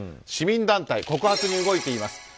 市民団体、告発に動いています。